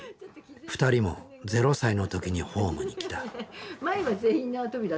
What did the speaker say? ２人も０歳の時にホームに来た。